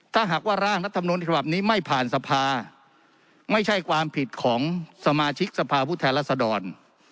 ถ้าหากว่าร่างรัฐมนุนฉบับนี้ไม่ผ่านสภาไม่ใช่ความผิดของสมาชิกสภาพุทธแทนรัศดร